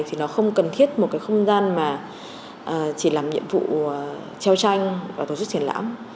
thì nó không cần thiết một cái không gian mà chỉ làm nhiệm vụ treo tranh và tổ chức triển lãm